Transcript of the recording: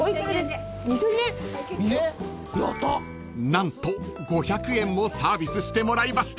［何と５００円もサービスしてもらいました］